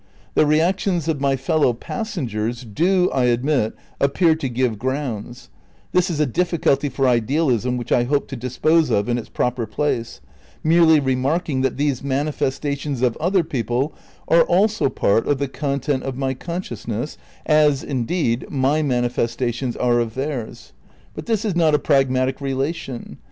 The reac tions of my fellow passengers, do, I admit, appear to give grounds; this is a difficulty for idealism which I hope to dispose of in its proper place,^ merely remark ing that these manifestations of other people are also part of the content of my consciousness as, indeed, my manifestations are of theirs. But this is not a prag matic relation.